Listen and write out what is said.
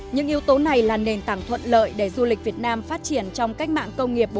những yếu tố này là nền tảng thuận lợi để du lịch việt nam phát triển trong cách mạng công nghiệp bốn